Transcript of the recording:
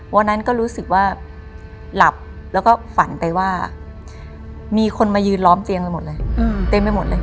วันนั้นก็รู้สึกว่าหลับแล้วก็ฝันไปว่ามีคนมายืนล้อมเตียงไปหมดเลยเต็มไปหมดเลย